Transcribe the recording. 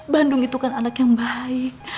bandung itu kan anak yang baik